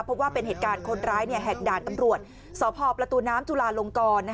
เพราะว่าเป็นเหตุการณ์คนร้ายแหกด่านตำรวจสพประตูน้ำจุลาลงกร